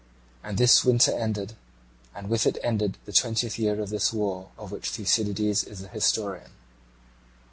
And this winter ended, and with it ended the twentieth year of this war of which Thucydides is the historian.